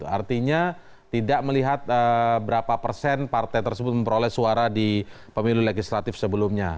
artinya tidak melihat berapa persen partai tersebut memperoleh suara di pemilu legislatif sebelumnya